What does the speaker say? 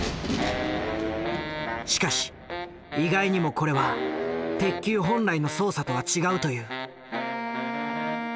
しかし意外にもこれは鉄球本来の操作とは違うという。